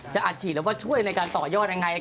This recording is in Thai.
อาจฉีดหรือว่าช่วยในการต่อยอดยังไง